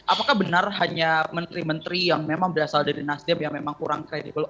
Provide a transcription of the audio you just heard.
apakah benar hanya menteri menteri yang memang berasal dari nasdem yang memang kurang kredibel